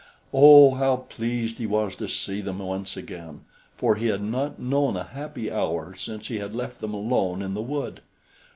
Oh! how pleased he was to see them once again, for he had not known a happy hour since he had left them alone in the wood.